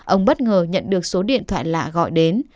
ông bất ngờ nhận được số điện thoại lạ gọi đến